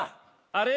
あれ？